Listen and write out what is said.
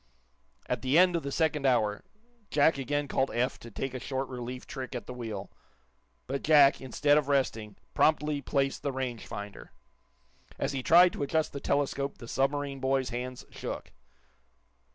At the end of the second hour, Jack again called Eph to take a short relief trick at the wheel. But Jack, instead of resting, promptly placed the range finder. As he tried to adjust the telescope the submarine boy's hands shook.